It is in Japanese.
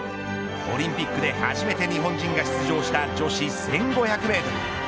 オリンピックで初めて日本人が出場した女子１５００メートル。